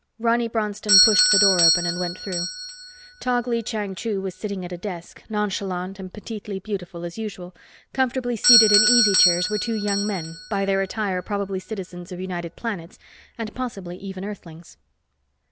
Ronny Bronston pushed the door open and went through. Tog Lee Chang Chu was sitting at a desk, nonchalant and petitely beautiful as usual, comfortably seated in easy chairs were two young men by their attire probably citizens of United Planets and possibly even Earthlings.